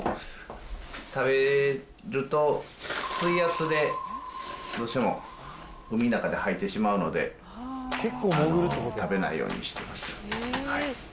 食べると、水圧でどうしても海の中で吐いてしまうので、食べないようにしてます。